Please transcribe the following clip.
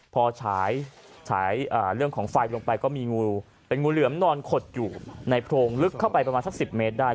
พอฉายเรื่องของไฟลงไปก็มีงูเป็นงูเหลือมนอนขดอยู่ในโพรงลึกเข้าไปประมาณสัก๑๐เมตรได้